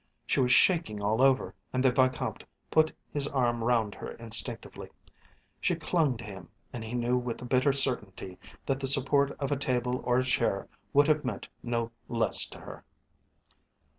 She was shaking all over, and the Vicomte put his arm round her instinctively. She clung to him, and he knew with a bitter certainty that the support of a table or a chair would have meant no less to her.